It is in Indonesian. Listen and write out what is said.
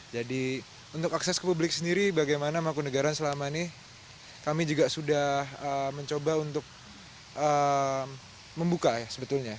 jadi untuk akses ke publik sendiri bagaimana mangkunegara selama ini kami juga sudah mencoba untuk membuka ya sebetulnya